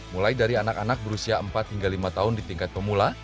mulai dari anak anak berusia empat hingga lima tahun di tingkat pemula